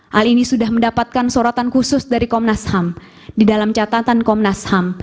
hal ini sudah mendapatkan sorotan khusus dari komnas ham di dalam catatan komnas ham